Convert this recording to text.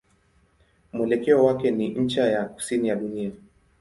Mwelekeo wake ni ncha ya kusini ya dunia.